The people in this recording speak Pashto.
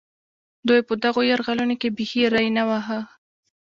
دوی په دغو یرغلونو کې بېخي ري نه واهه.